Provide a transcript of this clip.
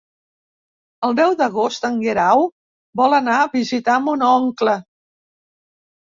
El deu d'agost en Guerau vol anar a visitar mon oncle.